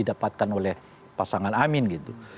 didapatkan oleh pasangan amin gitu